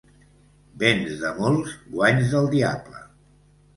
Béns de molts, guanys del diable.